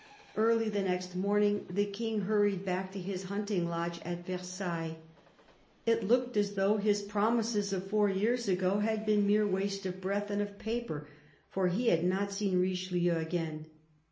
Early the next morning the King hurried back to his hunting lodge at Versailles. It looked as though his promises of four years ago had been mere waste of breath and of paper, for he had not seen Riche lieu again.